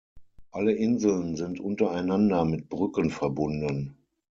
Alle Inseln sind untereinander mit Brücken verbunden.